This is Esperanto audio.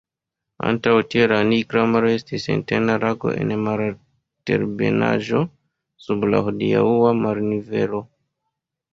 Antaŭ tio la Nigra Maro estis interna lago en malaltebenaĵo, sub la hodiaŭa marnivelo.